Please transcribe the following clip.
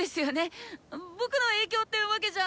僕の影響ってわけじゃ。